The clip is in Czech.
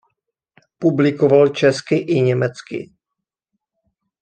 Publikoval česky i německy.